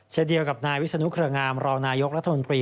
เฉอเดียวกับนายวิษณุพิธาร์งามบริมิตรรภาคละธรพรี